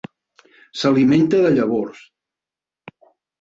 S'alimenta de llavors.